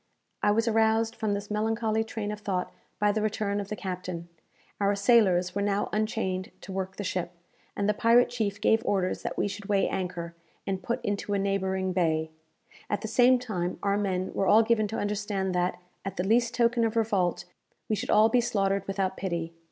I was aroused from this melancholy train of thought by the return of the captain. Our sailors were now unchained to work the ship, and the pirate chief gave orders that we should weigh anchor, and put into a neighbouring bay. At the same time our men were all given to understand that, at the least token of revolt, we should all be slaughtered without pity.